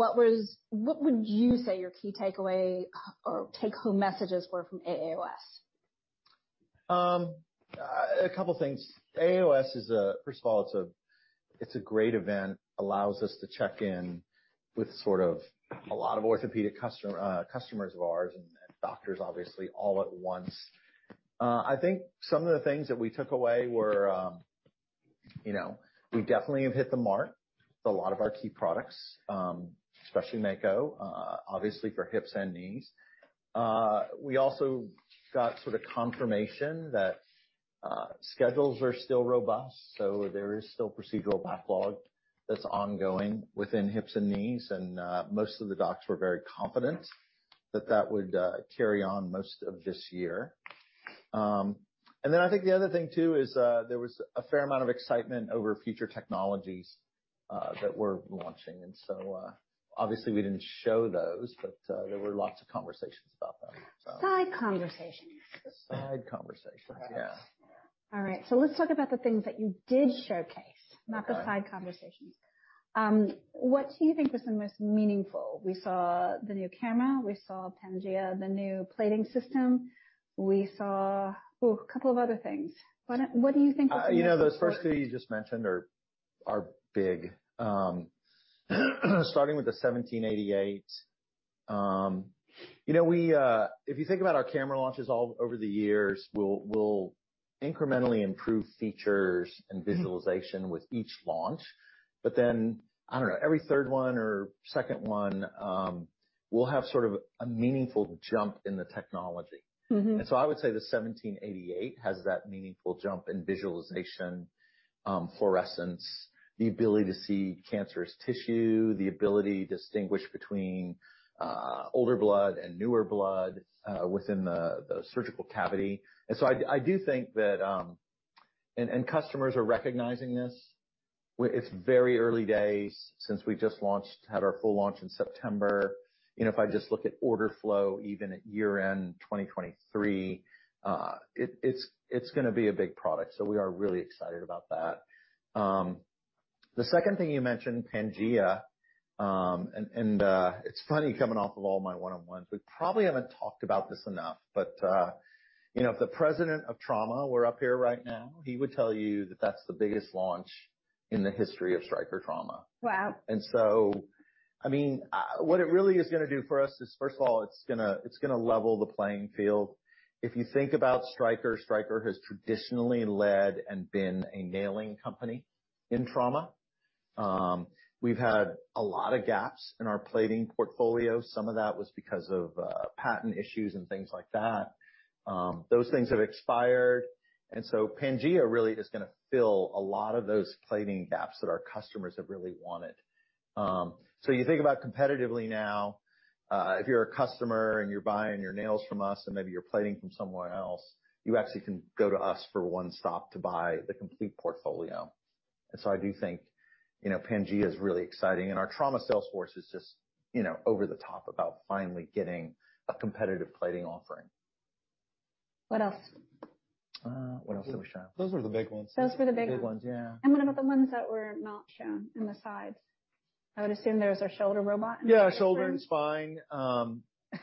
What was, what would you say your key takeaway or take-home messages were from AAOS? A couple of things. AAOS is first of all a great event, allows us to check in with sort of a lot of orthopedic customer, customers of ours and doctors, obviously, all at once. I think some of the things that we took away were, you know, we definitely have hit the mark with a lot of our key products, especially Mako, obviously, for hips and knees. We also got sort of confirmation that schedules are still robust, so there is still procedural backlog that's ongoing within hips and knees, and most of the docs were very confident that that would carry on most of this year. And then I think the other thing, too, is there was a fair amount of excitement over future technologies that we're launching, and so, obviously, we didn't show those, but there were lots of conversations about them, so. Side conversations. Side conversations, yeah. All right, so let's talk about the things that you did showcase. Okay. —not the side conversations. What do you think was the most meaningful? We saw the new camera. We saw Pangea, the new plating system. We saw, oh, a couple of other things. What, what do you think was the most— You know, those first two you just mentioned are big. Starting with the 1788, you know, if you think about our camera launches all over the years, we'll incrementally improve features- Mm-hmm. and visualization with each launch. But then, I don't know, every third one or second one, we'll have sort of a meaningful jump in the technology. Mm-hmm. And so I would say the 1788 has that meaningful jump in visualization, fluorescence, the ability to see cancerous tissue, the ability to distinguish between older blood and newer blood within the surgical cavity. And so I do think that, and customers are recognizing this. It's very early days since we just launched, had our full launch in September. You know, if I just look at order flow, even at year-end 2023, it's gonna be a big product, so we are really excited about that. The second thing you mentioned, Pangea, it's funny coming off of all my one-on-ones. We probably haven't talked about this enough, but you know, if the President of Trauma were up here right now, he would tell you that that's the biggest launch in the history of Stryker Trauma. Wow! And so, I mean, what it really is gonna do for us is, first of all, it's gonna level the playing field. If you think about Stryker, Stryker has traditionally led and been a nailing company in trauma. We've had a lot of gaps in our plating portfolio. Some of that was because of patent issues and things like that. Those things have expired, and so Pangea really is gonna fill a lot of those plating gaps that our customers have really wanted. So you think about competitively now, if you're a customer, and you're buying your nails from us, and maybe you're plating from someone else, you actually can go to us for one stop to buy the complete portfolio. And so I do think, you know, Pangea is really exciting, and our trauma sales force is just, you know, over the top about finally getting a competitive plating offering. What else? What else did we show? Those were the big ones. Those were the big ones. The big ones, yeah. What about the ones that were not shown in the slides? I would assume there's a shoulder robot. Yeah, shoulder and spine.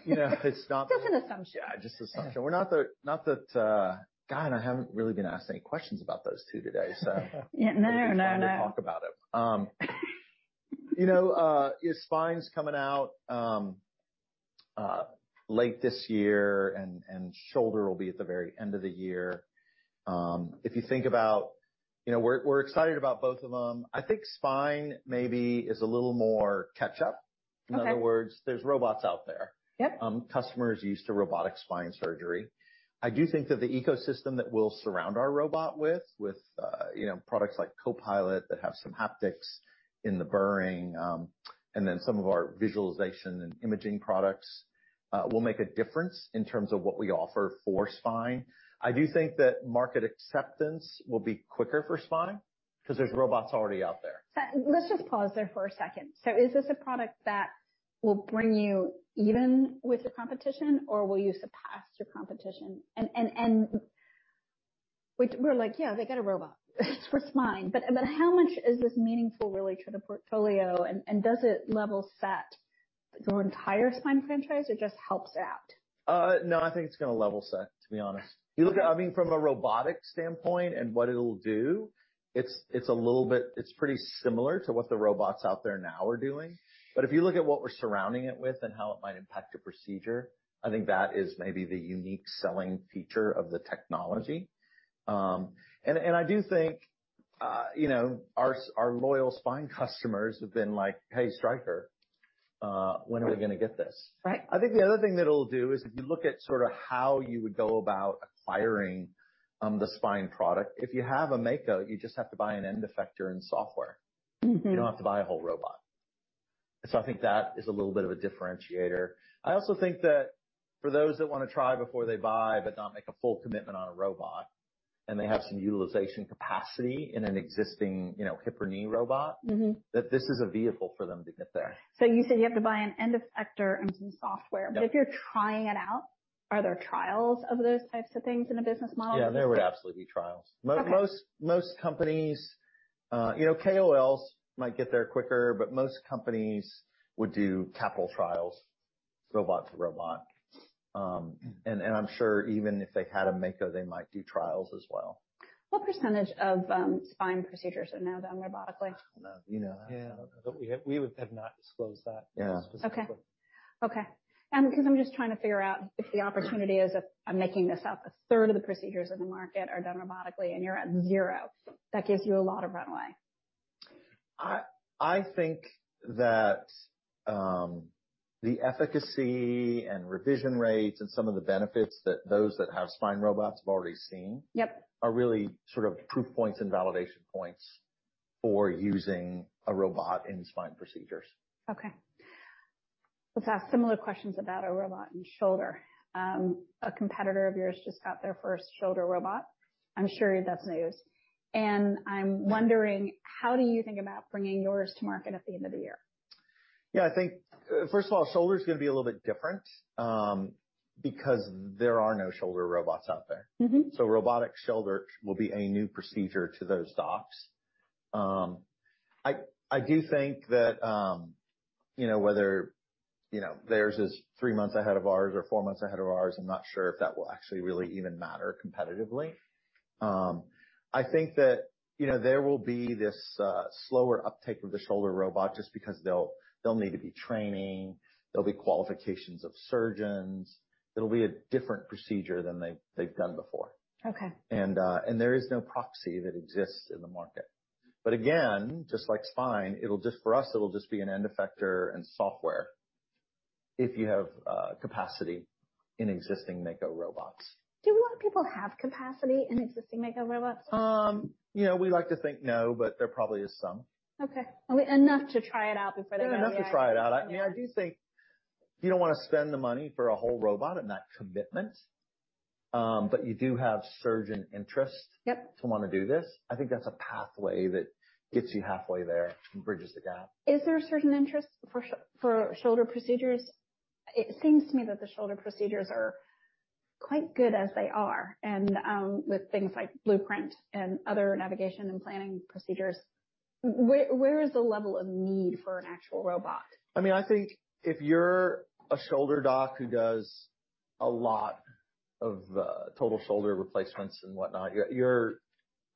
You know, it's not- Just an assumption. Yeah, just assumption. We're not the, not that... God, I haven't really been asked any questions about those two today, so- Yeah. No, no, no. It's time to talk about it. You know, yeah, spine's coming out late this year, and shoulder will be at the very end of the year. If you think about... You know, we're excited about both of them. I think spine maybe is a little more catch up. Okay. In other words, there's robots out there. Yep. Customers are used to robotic spine surgery. I do think that the ecosystem that we'll surround our robot with, with, you know, products like Copilot that have some haptics in the burring, and then some of our visualization and imaging products, will make a difference in terms of what we offer for spine. I do think that market acceptance will be quicker for spine because there's robots already out there. So let's just pause there for a second. So is this a product that will bring you even with the competition, or will you surpass your competition? And which we're like, "Yeah, they got a robot, for spine." But how much is this meaningful, really, to the portfolio, and does it level set your entire spine franchise, or just helps out? No, I think it's gonna level set, to be honest. Okay. You look at, I mean, from a robotic standpoint and what it'll do, it's a little bit, it's pretty similar to what the robots out there now are doing. But if you look at what we're surrounding it with and how it might impact a procedure, I think that is maybe the unique selling feature of the technology. And I do think, you know, our loyal spine customers have been like: "Hey, Stryker, when are we gonna get this? Right. I think the other thing that it'll do is, if you look at sort of how you would go about acquiring, the spine product, if you have a Mako, you just have to buy an end effector and software. Mm-hmm. You don't have to buy a whole robot. So I think that is a little bit of a differentiator. I also think that for those that wanna try before they buy, but not make a full commitment on a robot, and they have some utilization capacity in an existing, you know, hip or knee robot- Mm-hmm that this is a vehicle for them to get there. You said you have to buy an end effector and some software. Yep. But if you're trying it out, are there trials of those types of things in a business model? Yeah, there would absolutely be trials. Okay. Most companies, you know, KOLs might get there quicker, but most companies would do capital trials, robot to robot. And I'm sure even if they had a Mako, they might do trials as well. What percentage of spine procedures are now done robotically? I don't know. You know- Yeah, we have, we have not disclosed that- Yeah. Okay. Okay. Because I'm just trying to figure out if the opportunity is, if I'm making this up, a third of the procedures in the market are done robotically, and you're at zero, that gives you a lot of runway. I think that the efficacy and revision rates and some of the benefits that those that have spine robots have already seen- Yep. are really sort of proof points and validation points for using a robot in spine procedures. Okay. Let's ask similar questions about a robot in shoulder. A competitor of yours just got their first shoulder robot. I'm sure you that's news. And I'm wondering, how do you think about bringing yours to market at the end of the year? Yeah, I think, first of all, shoulder is going to be a little bit different, because there are no shoulder robots out there. Mm-hmm. So robotic shoulder will be a new procedure to those docs. I do think that, you know, whether, you know, theirs is three months ahead of ours or four months ahead of ours, I'm not sure if that will actually really even matter competitively. I think that, you know, there will be this slower uptake of the shoulder robot just because they'll need to be training, there'll be qualifications of surgeons. It'll be a different procedure than they've done before. Okay. There is no proxy that exists in the market. But again, just like spine, it'll just... For us, it'll just be an end effector and software if you have capacity in existing Mako robots. Do a lot of people have capacity in existing Mako robots? You know, we like to think no, but there probably is some. Okay. Enough to try it out before they go, yeah. Enough to try it out. I mean, I do think you don't want to spend the money for a whole robot and that commitment, but you do have surgeon interest- Yep. to want to do this. I think that's a pathway that gets you halfway there and bridges the gap. Is there a surgeon interest for shoulder procedures? It seems to me that the shoulder procedures are quite good as they are, and, with things like Blueprint and other navigation and planning procedures, where is the level of need for an actual robot? I mean, I think if you're a shoulder doc who does a lot of total shoulder replacements and whatnot, you're,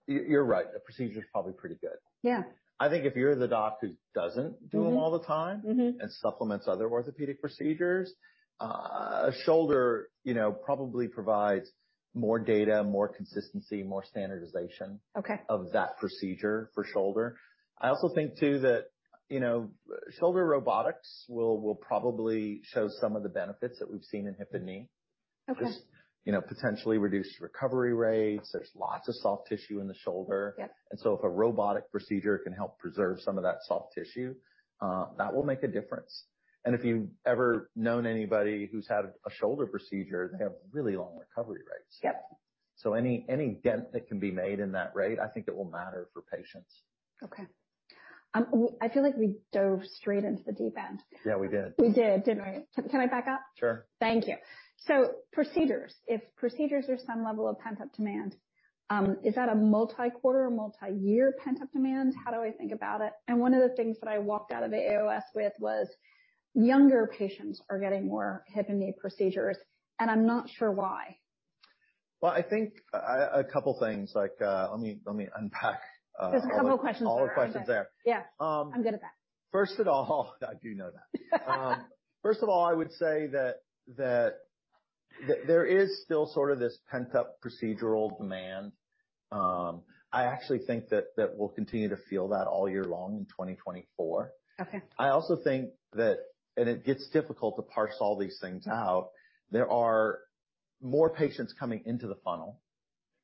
you're right, the procedure is probably pretty good. Yeah. I think if you're the doc who doesn't do them all the time- Mm-hmm. - and supplements other orthopedic procedures, a shoulder, you know, probably provides more data, more consistency, more standardization- Okay. of that procedure for shoulder. I also think, too, that, you know, shoulder robotics will probably show some of the benefits that we've seen in hip and knee. Okay. Just, you know, potentially reduced recovery rates. There's lots of soft tissue in the shoulder. Yep. And so if a robotic procedure can help preserve some of that soft tissue, that will make a difference. And if you've ever known anybody who's had a shoulder procedure, they have really long recovery rates. Yep. So any dent that can be made in that rate, I think it will matter for patients. Okay. I feel like we dove straight into the deep end. Yeah, we did. We did, didn't we? Can I back up? Sure. Thank you. So procedures, if procedures are some level of pent-up demand, is that a multi-quarter or multi-year pent-up demand? How do I think about it? And one of the things that I walked out of the AAOS with was, younger patients are getting more hip and knee procedures, and I'm not sure why. Well, I think a couple things, like, let me unpack- There's a couple of questions there. All the questions there. Yeah. Um- I'm good at that. First of all, I do know that. First of all, I would say that there is still sort of this pent-up procedural demand. I actually think that we'll continue to feel that all year long in 2024. Okay. I also think that, and it gets difficult to parse all these things out, there are more patients coming into the funnel.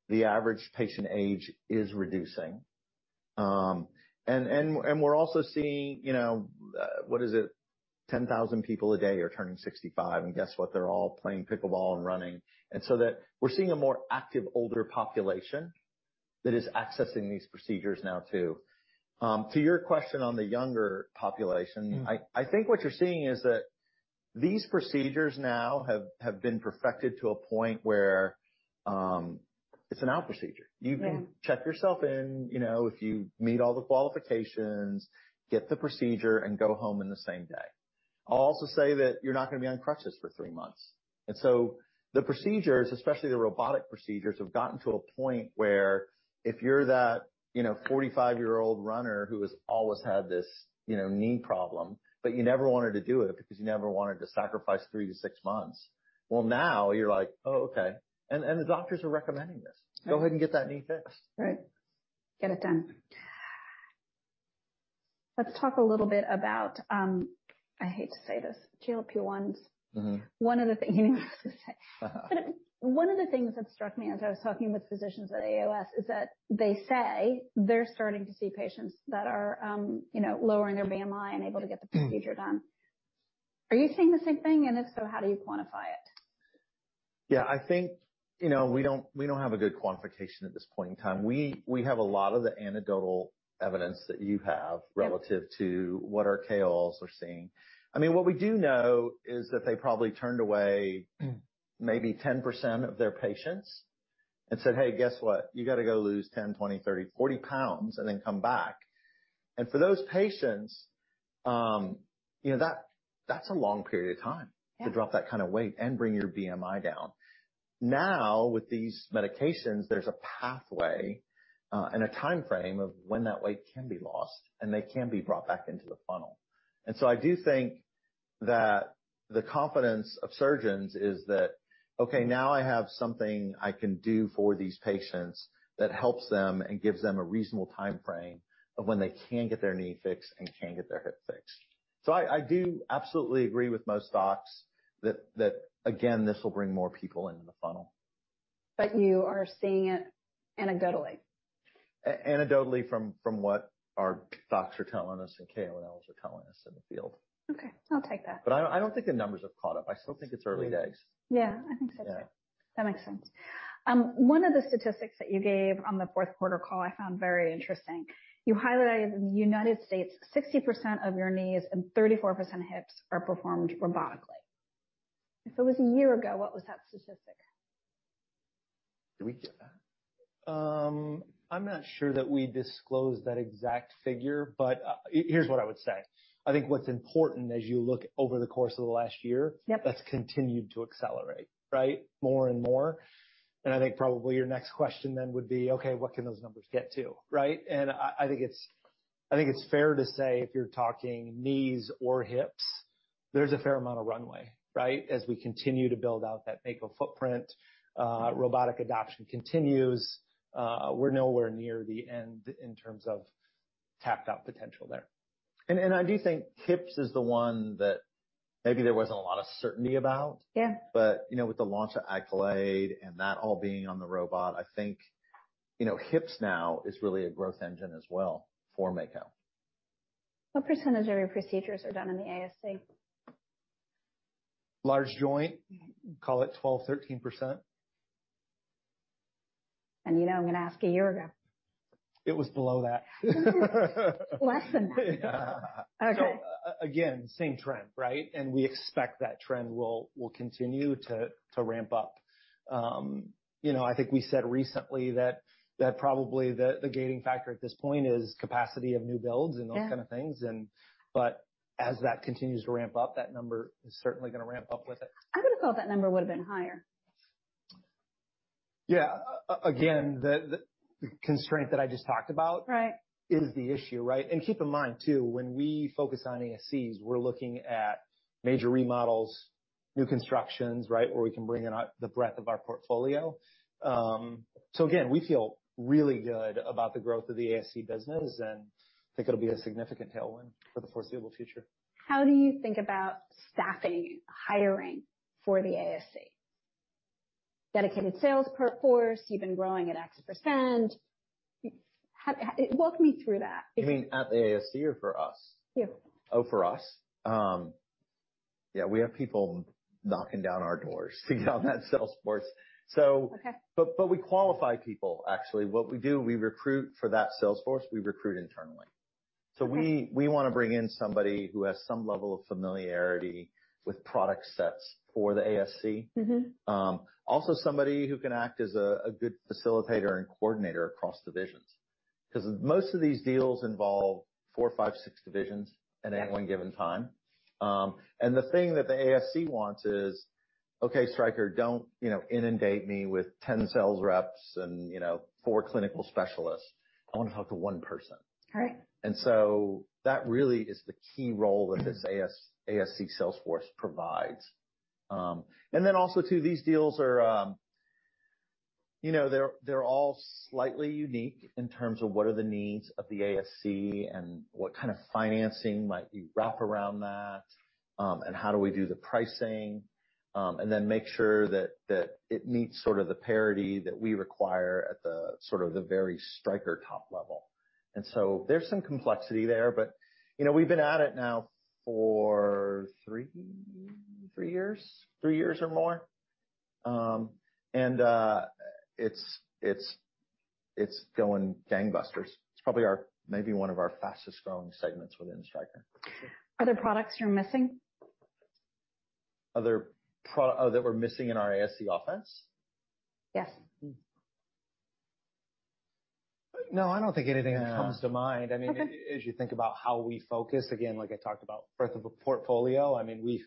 The average patient age is reducing. And we're also seeing, you know, what is it? 10,000 people a day are turning 65, and guess what? They're all playing pickleball and running. And so that we're seeing a more active, older population that is accessing these procedures now, too. To your question on the younger population, I think what you're seeing is that these procedures now have been perfected to a point where it's an out procedure. Mm. You can check yourself in, you know, if you meet all the qualifications, get the procedure and go home in the same day. I'll also say that you're not going to be on crutches for three months. And so the procedures, especially the robotic procedures, have gotten to a point where if you're that, you know, 45-year-old runner who has always had this, you know, knee problem, but you never wanted to do it because you never wanted to sacrifice three to six months, well, now you're like: Oh, okay. And the doctors are recommending this. Right. Go ahead and get that knee fixed. Right. Get it done. Let's talk a little bit about, I hate to say this, GLP-1s. Mm-hmm. One of the things, you know... One of the things that struck me as I was talking with physicians at AAOS is that they say they're starting to see patients that are, you know, lowering their BMI and able to get the procedure done. Are you seeing the same thing? And if so, how do you quantify it? Yeah, I think, you know, we don't, we don't have a good quantification at this point in time. We, we have a lot of the anecdotal evidence that you have- Yeah. Relative to what our KOLs are seeing. I mean, what we do know is that they probably turned away maybe 10% of their patients and said: "Hey, guess what? You got to go lose 10, 20, 30, 40 pounds and then come back." And for those patients, you know, that, that's a long period of time- Yeah. -to drop that kind of weight and bring your BMI down. Now, with these medications, there's a pathway, and a time frame of when that weight can be lost and they can be brought back into the funnel. And so I do think that the confidence of surgeons is that: Okay, now I have something I can do for these patients that helps them and gives them a reasonable time frame of when they can get their knee fixed and can get their hip fixed. So I, I do absolutely agree with most docs that, that, again, this will bring more people into the funnel. You are seeing it anecdotally? Anecdotally, from what our docs are telling us and KOLs are telling us in the field. Okay, I'll take that. But I don't think the numbers have caught up. I still think it's early days. Yeah, I think so, too. Yeah. That makes sense. One of the statistics that you gave on the fourth quarter call, I found very interesting. You highlighted in the United States, 60% of your knees and 34% of hips are performed robotically. If it was a year ago, what was that statistic? Did we get that? I'm not sure that we disclosed that exact figure, but, here's what I would say. I think what's important, as you look over the course of the last year- Yep. That's continued to accelerate, right? More and more. And I think probably your next question then would be, okay, what can those numbers get to, right? And I, I think it's, I think it's fair to say, if you're talking knees or hips, there's a fair amount of runway, right? As we continue to build out that Mako footprint, robotic adoption continues. We're nowhere near the end in terms of tapped out potential there. I do think hips is the one that maybe there wasn't a lot of certainty about. Yeah. But, you know, with the launch of Accolade and that all being on the robot, I think, you know, hips now is really a growth engine as well for Mako. What percentage of your procedures are done in the ASC? Large joint? Mm-hmm. Call it 12%, 13%. You know, I'm going to ask, a year ago? It was below that. Less than that. Yeah. Okay. So again, same trend, right? And we expect that trend will continue to ramp up. You know, I think we said recently that probably the gating factor at this point is capacity of new builds- Yeah and those kind of things. And, but as that continues to ramp up, that number is certainly going to ramp up with it. I would have thought that number would have been higher. Yeah. Again, the constraint that I just talked about- Right -is the issue, right? And keep in mind, too, when we focus on ASCs, we're looking at major remodels, new constructions, right? Where we can bring in our, the breadth of our portfolio. So again, we feel really good about the growth of the ASC business, and I think it'll be a significant tailwind for the foreseeable future. How do you think about staffing, hiring for the ASC? Dedicated sales force, you've been growing at X%. How... Walk me through that. You mean at the ASC or for us? You. Oh, for us. Yeah, we have people knocking down our doors to get on that sales force. Okay. But we qualify people, actually. What we do, we recruit for that sales force, we recruit internally. Yeah. We want to bring in somebody who has some level of familiarity with product sets for the ASC. Mm-hmm. Also, somebody who can act as a good facilitator and coordinator across divisions, because most of these deals involve four, five, six divisions- Yeah At any one given time. And the thing that the ASC wants is: Okay, Stryker, don't, you know, inundate me with 10 sales reps and, you know, four clinical specialists. I want to talk to one person. Right. That really is the key role that this ASC sales force provides. And then also, too, these deals are, you know, they're all slightly unique in terms of what are the needs of the ASC and what kind of financing might you wrap around that, and how do we do the pricing, and then make sure that it meets sort of the parity that we require at the sort of the very Stryker top level. There's some complexity there, but, you know, we've been at it now for three, three years, three years or more. It's going gangbusters. It's probably our, maybe one of our fastest growing segments within Stryker. Are there products you're missing? Oh, that we're missing in our ASC offense? Yes. No, I don't think anything comes to mind. Okay. I mean, as you think about how we focus, again, like I talked about, breadth of a portfolio. I mean, we've,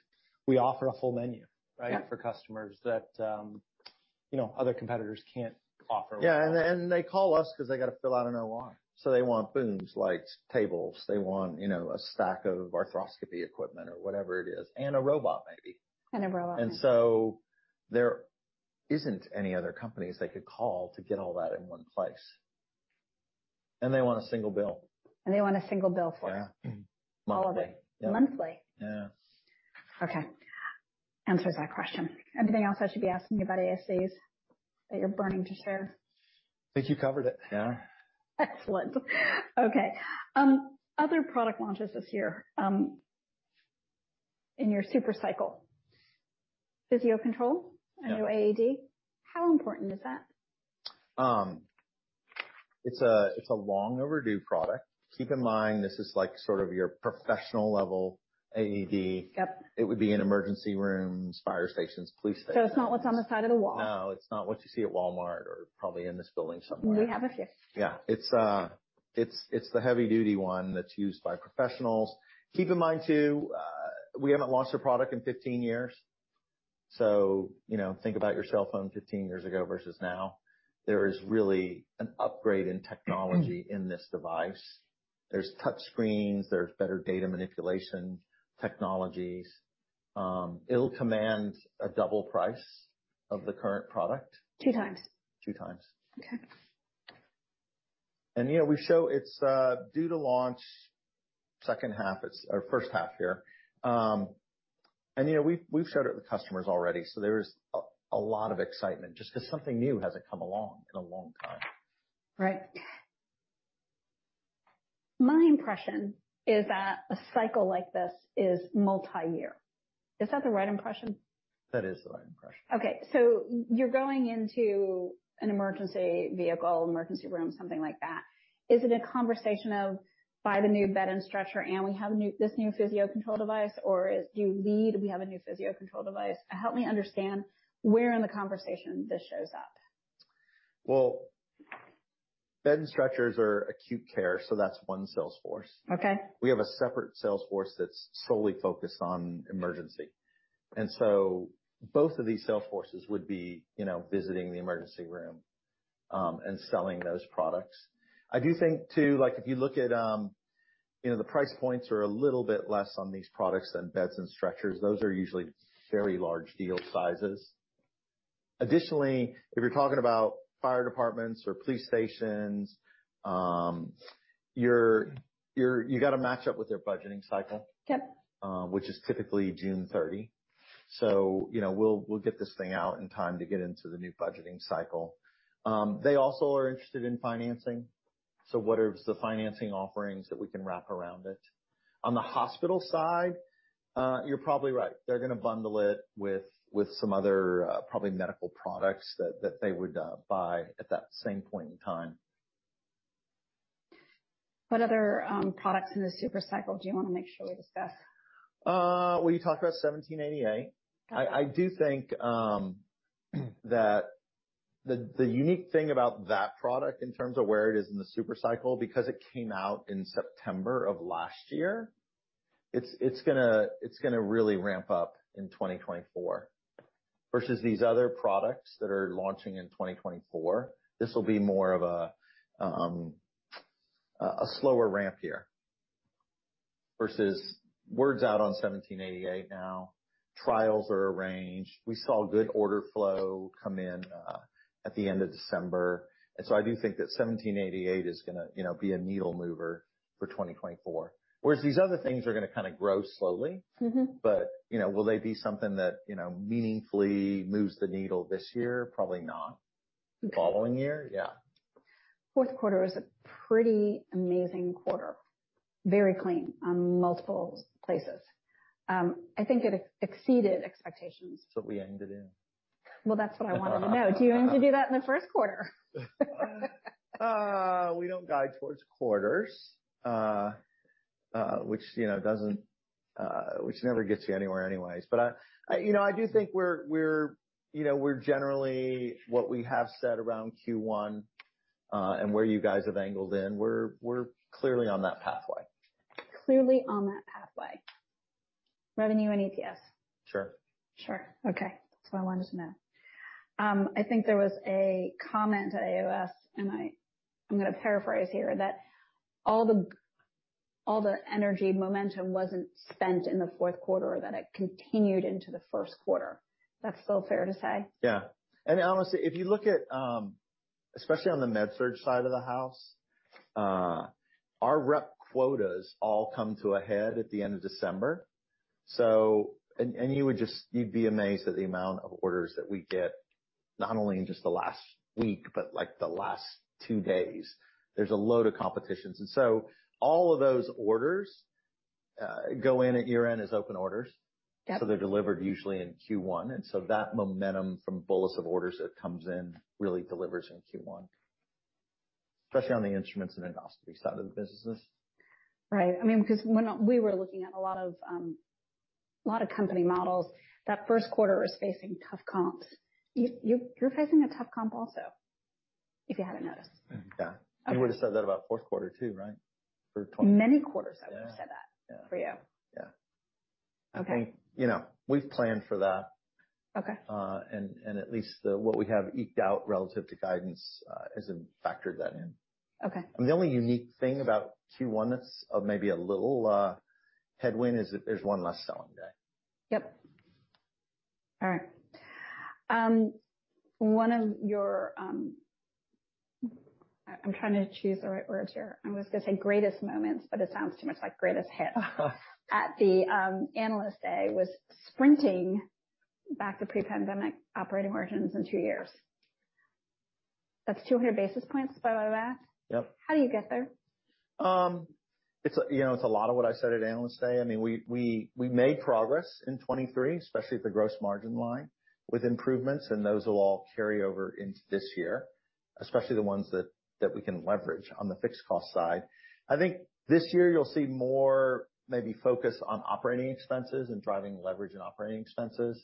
we offer a full menu, right? Yeah. For customers that, you know, other competitors can't offer. Yeah, and they call us because they got to fill out an ROI. So they want booms, lights, tables. They want, you know, a stack of arthroscopy equipment or whatever it is, and a robot, maybe. A robot. There isn't any other companies they could call to get all that in one place. They want a single bill. They want a single bill for it. Yeah. Mm-hmm. Monthly. Monthly? Yeah. Okay. Answers that question. Anything else I should be asking you about ASCs, that you're burning to share? I think you covered it. Yeah. Excellent. Okay, other product launches this year, in your super cycle. Physio-Control? Yeah. A new AED. How important is that?... It's a long overdue product. Keep in mind, this is like sort of your professional level AED. Yep. It would be in emergency rooms, fire stations, police stations. So it's not what's on the side of the wall? No, it's not what you see at Walmart or probably in this building somewhere. We have a few. Yeah. It's the heavy duty one that's used by professionals. Keep in mind, too, we haven't launched a product in 15 years, so, you know, think about your cell phone 15 years ago versus now. There is really an upgrade in technology in this device. There's touch screens, there's better data manipulation technologies. It'll command a double price of the current product. Two times. Two times. Okay. You know, we show it's due to launch second half, or first half year. You know, we've showed it to customers already, so there is a lot of excitement just because something new hasn't come along in a long time. Right. My impression is that a cycle like this is multi-year. Is that the right impression? That is the right impression. Okay. So you're going into an emergency vehicle, emergency room, something like that. Is it a conversation of buy the new bed and stretcher, and we have a new—this new Physio-Control device, or is do you need we have a new Physio-Control device? Help me understand where in the conversation this shows up. Well, bed and stretchers are acute care, so that's one sales force. Okay. We have a separate sales force that's solely focused on emergency. And so both of these sales forces would be, you know, visiting the emergency room, and selling those products. I do think, too, like, if you look at, you know, the price points are a little bit less on these products than beds and stretchers. Those are usually very large deal sizes. Additionally, if you're talking about fire departments or police stations, you got to match up with their budgeting cycle. Yep. Which is typically June 30. So, you know, we'll get this thing out in time to get into the new budgeting cycle. They also are interested in financing, so what are the financing offerings that we can wrap around it? On the hospital side, you're probably right. They're going to bundle it with some other probably medical products that they would buy at that same point in time. What other products in the super cycle do you want to make sure we discuss? Well, you talked about 1788. Okay. I do think that the unique thing about that product in terms of where it is in the super cycle, because it came out in September of last year, it's gonna really ramp up in 2024, versus these other products that are launching in 2024, this will be more of a slower ramp here. Versus word's out on 1788 now, trials are arranged. We saw good order flow come in at the end of December. And so I do think that 1788 is gonna, you know, be a needle mover for 2024. Whereas these other things are gonna kind of grow slowly. Mm-hmm. But, you know, will they be something that, you know, meaningfully moves the needle this year? Probably not. Okay. The following year? Yeah. Fourth quarter was a pretty amazing quarter. Very clean on multiple places. I think it exceeded expectations. That's what we aimed it in. Well, that's what I wanted to know. Do you aim to do that in the first quarter? We don't guide towards quarters, which, you know, never gets you anywhere anyways. But, you know, I do think we're, you know, generally what we have said around Q1, and where you guys have angled in, we're clearly on that pathway. Clearly on that pathway. Revenue and EPS? Sure. Sure. Okay. That's what I wanted to know. I think there was a comment at AAOS, and I'm going to paraphrase here, that all the, all the energy momentum wasn't spent in the fourth quarter, or that it continued into the first quarter. That's still fair to say? Yeah. And honestly, if you look at, especially on the MedSurg side of the house, our rep quotas all come to a head at the end of December. So... And you would just you'd be amazed at the amount of orders that we get, not only in just the last week, but like the last two days. There's a load of competitions. And so all of those orders go in at year-end as open orders. Yep. They're delivered usually in Q1. That momentum from bolus of orders that comes in really delivers in Q1, especially on the instruments and endoscopy side of the businesses. Right. I mean, because when we were looking at a lot of company models, that first quarter was facing tough comps. You, you're facing a tough comp also, if you haven't noticed. Yeah. You would've said that about fourth quarter, too, right? For- Many quarters, I would have said that- Yeah. -for you. Yeah. Okay. I think, you know, we've planned for that. Okay. And at least what we have eked out relative to guidance has factored that in. Okay. The only unique thing about Q1 that's of maybe a little headwind is that there's one less selling day. Yep. All right. One of your, I'm trying to choose the right words here. I was going to say greatest moments, but it sounds too much like greatest hits. At the Analyst Day, was sprinting back to pre-pandemic operating margins in two years. That's 200 basis points, by the way? Yep. How do you get there?... It's, you know, it's a lot of what I said at Analyst Day. I mean, we made progress in 2023, especially at the gross margin line, with improvements, and those will all carry over into this year, especially the ones that we can leverage on the fixed cost side. I think this year you'll see more maybe focus on operating expenses and driving leverage and operating expenses.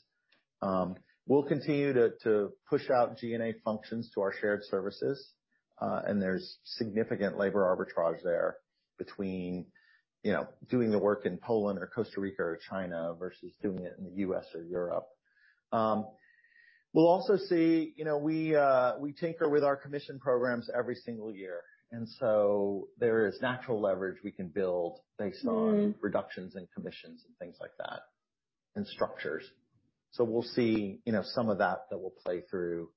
We'll continue to push out G&A functions to our shared services. And there's significant labor arbitrage there between, you know, doing the work in Poland or Costa Rica or China versus doing it in the US or Europe. We'll also see, you know, we tinker with our commission programs every single year, and so there is natural leverage we can build based on- Mm-hmm. reductions in commissions and things like that, and structures. So we'll see, you know, some of that will play through,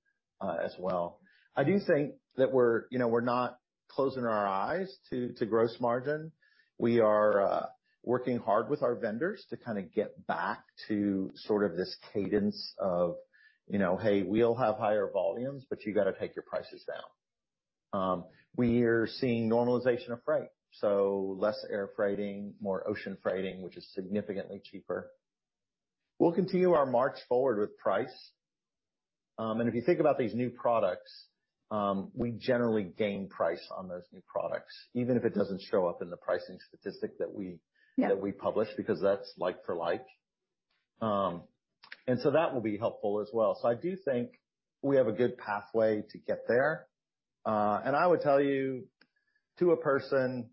as well. I do think that we're, you know, we're not closing our eyes to gross margin. We are working hard with our vendors to kind of get back to sort of this cadence of, you know, "Hey, we'll have higher volumes, but you got to take your prices down." We are seeing normalization of freight, so less air freighting, more ocean freighting, which is significantly cheaper. We'll continue our march forward with price. And if you think about these new products, we generally gain price on those new products, even if it doesn't show up in the pricing statistic that we- Yeah. that we publish, because that's like for like. And so that will be helpful as well. So I do think we have a good pathway to get there. And I would tell you, to a person,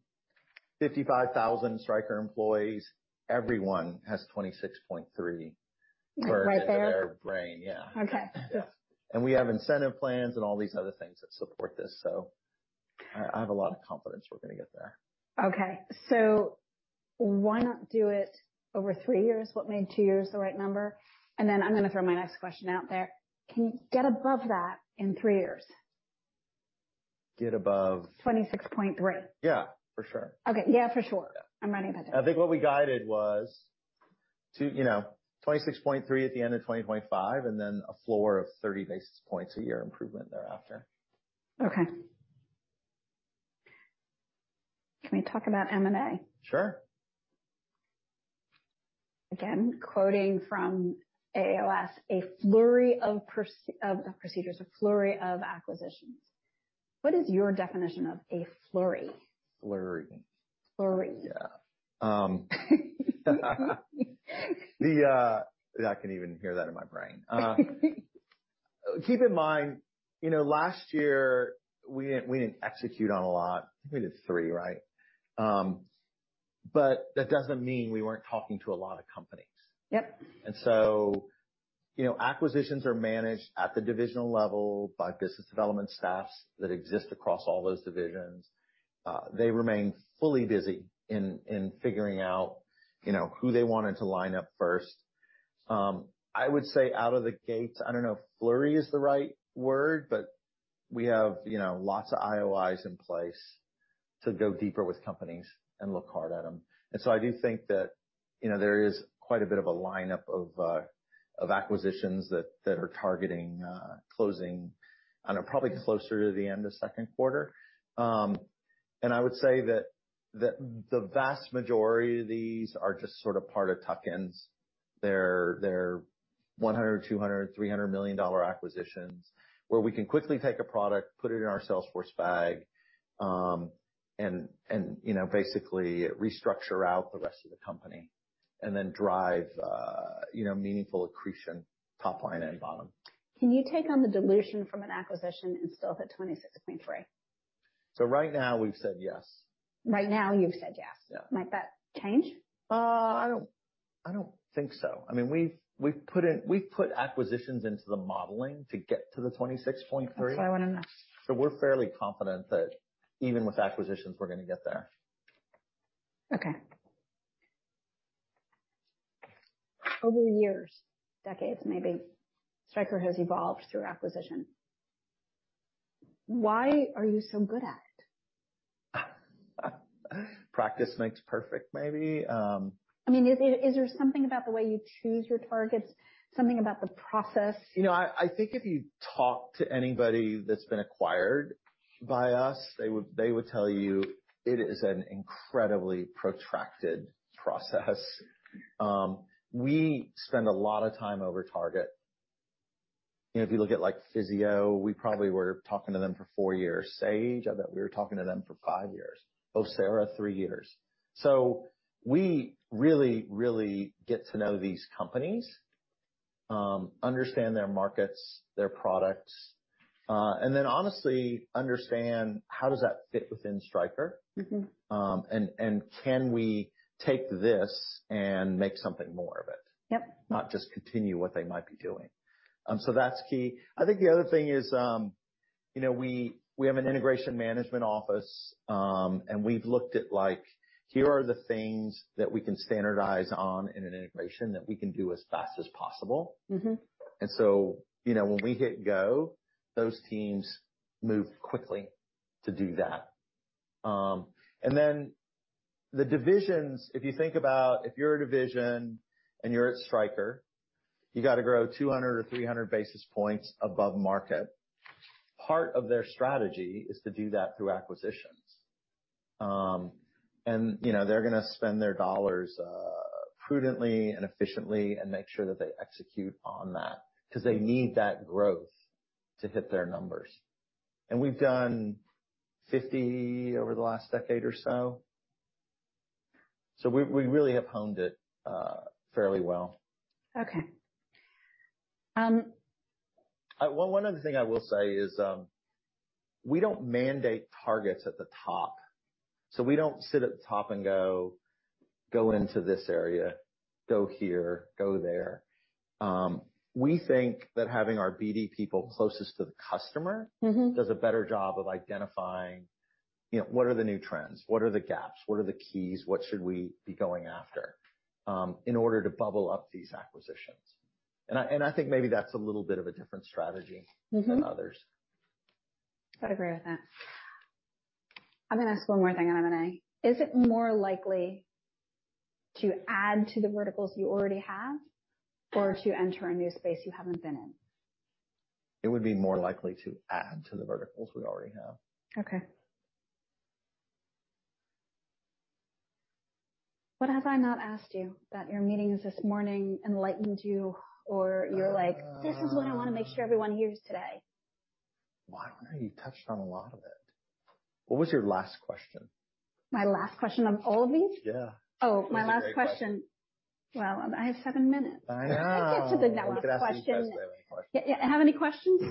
55,000 Stryker employees, everyone has 26.3- Right there? burned in their brain. Yeah. Okay. Yeah. We have incentive plans and all these other things that support this, so I, I have a lot of confidence we're going to get there. Okay. So why not do it over three years? What made two years the right number? And then I'm going to throw my next question out there. Can you get above that in three years? Get above? 26.3%. Yeah, for sure. Okay. Yeah, for sure. Yeah. I'm writing that down. I think what we guided was to, you know, 26.3% at the end of 2025, and then a floor of 30 basis points a year improvement thereafter. Okay. Can we talk about M&A? Sure. Again, quoting from AAOS, "A flurry of procedures, a flurry of acquisitions." What is your definition of a flurry? Flurry. Flurry. Yeah. I can even hear that in my brain. Keep in mind, you know, last year we didn't execute on a lot. I think we did three, right? But that doesn't mean we weren't talking to a lot of companies. Yep. And so, you know, acquisitions are managed at the divisional level by business development staffs that exist across all those divisions. They remain fully busy in figuring out, you know, who they wanted to line up first. I would say out of the gates, I don't know if flurry is the right word, but we have, you know, lots of IOIs in place to go deeper with companies and look hard at them. And so I do think that, you know, there is quite a bit of a lineup of acquisitions that are targeting closing, I know, probably closer to the end of second quarter. And I would say that the vast majority of these are just sort of part of tuck-ins. They're $100, $200, $300 million acquisitions, where we can quickly take a product, put it in our salesforce bag, and you know, basically restructure out the rest of the company and then drive you know, meaningful accretion, top line and bottom. Can you take on the dilution from an acquisition and still hit 26.3%? So right now we've said yes. Right now you've said yes. Yeah. Might that change? I don't think so. I mean, we've put acquisitions into the modeling to get to the 26.3%. That's what I want to know. We're fairly confident that even with acquisitions, we're going to get there. Okay. Over years, decades, maybe, Stryker has evolved through acquisition. Why are you so good at it? Practice makes perfect, maybe. I mean, is there something about the way you choose your targets, something about the process? You know, I think if you talk to anybody that's been acquired by us, they would tell you it is an incredibly protracted process. We spend a lot of time over target. You know, if you look at, like, Physio, we probably were talking to them for four years. Sage, I bet we were talking to them for five years. Vocera, three years. So we really, really get to know these companies, understand their markets, their products, and then honestly understand how does that fit within Stryker? Mm-hmm. Can we take this and make something more of it? Yep. Not just continue what they might be doing. So that's key. I think the other thing is, you know, we, we have an integration management office, and we've looked at, like, here are the things that we can standardize on in an integration that we can do as fast as possible. Mm-hmm. And so, you know, when we hit go, those teams move quickly to do that. The divisions, if you think about, if you're a division and you're at Stryker, you got to grow 200 or 300 basis points above market. Part of their strategy is to do that through acquisitions. And, you know, they're going to spend their dollars prudently and efficiently and make sure that they execute on that, because they need that growth to hit their numbers. And we've done 50 over the last decade or so. So we really have honed it fairly well. Okay. Um- Well, one other thing I will say is, we don't mandate targets at the top, so we don't sit at the top and go: Go into this area, go here, go there. We think that having our BD people closest to the customer- Mm-hmm. does a better job of identifying, you know, what are the new trends, what are the gaps, what are the keys, what should we be going after, in order to bubble up these acquisitions? And I, and I think maybe that's a little bit of a different strategy. Mm-hmm. -than others. I'd agree with that. I'm going to ask one more thing on M&A. Is it more likely to add to the verticals you already have or to enter a new space you haven't been in? It would be more likely to add to the verticals we already have. Okay. What have I not asked you that your meetings this morning enlightened you, or you're like, "This is what I want to make sure everyone hears today? Well, I don't know. You touched on a lot of it. What was your last question? My last question on all of these? Yeah. Oh, my last question. It was a great question. Well, I have seven minutes. I know! Let's get to the next question. We could ask you guys anyway. Yeah, yeah. Have any questions?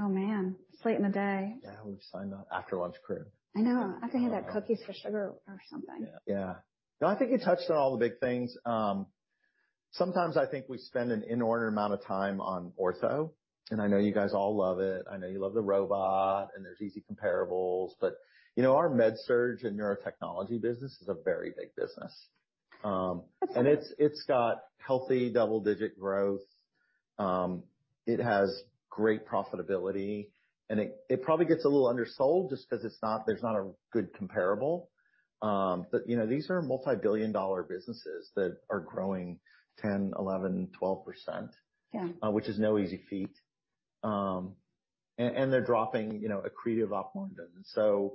Oh, man, it's late in the day. Yeah, we've signed the after-lunch crew. I know. I think I had cookies for sugar or something. Yeah. Yeah. No, I think you touched on all the big things. Sometimes I think we spend an inordinate amount of time on ortho, and I know you guys all love it. I know you love the robot, and there's easy comparables, but, you know, our MedSurg and Neurotechnology business is a very big business. And it's, it's got healthy double-digit growth. It has great profitability, and it, it probably gets a little undersold just because it's not-- there's not a good comparable. But, you know, these are multibillion-dollar businesses that are growing 10, 11, 12%. Yeah. Which is no easy feat. And they're dropping, you know, accretive off margins. So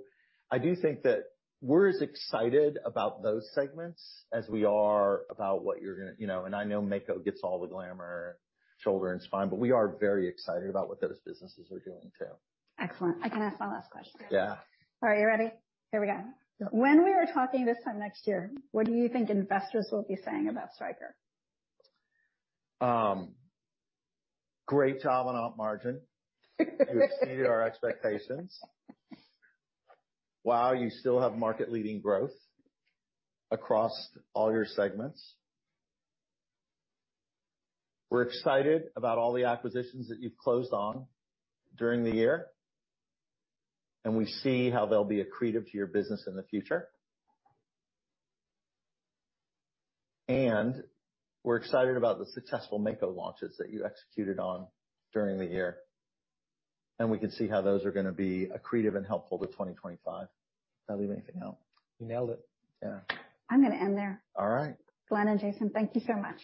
I do think that we're as excited about those segments as we are about what you're going to... You know, and I know Mako gets all the glamour, shoulder and spine, but we are very excited about what those businesses are doing, too. Excellent. I can ask my last question. Yeah. All right, you ready? Here we go. When we were talking this time next year, what do you think investors will be saying about Stryker? Great job on op margin. You exceeded our expectations. Wow, you still have market-leading growth across all your segments. We're excited about all the acquisitions that you've closed on during the year, and we see how they'll be accretive to your business in the future. And we're excited about the successful Mako launches that you executed on during the year, and we can see how those are going to be accretive and helpful to 2025. Does that leave anything out? You nailed it. Yeah. I'm going to end there. All right. Glenn and Jason, thank you so much.